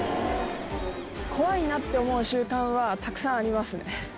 怖いなって思う瞬間はたくさんありますね。